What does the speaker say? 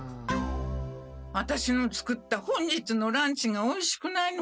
アタシの作った本日のランチがおいしくないのかしら？